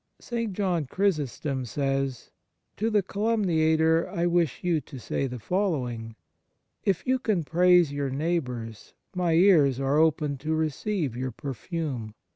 6 5 F Fraternal Charity St. John Chrysostom says :" To the calumniator I wish you to say the following : If you can praise your neighbours, my ears are open to receive your perfume.